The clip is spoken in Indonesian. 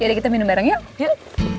ya udah kita minum bareng yuk yuk